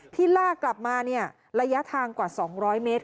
ที่ลากกลับมาเนี่ยระยะทางกว่า๒๐๐เมตร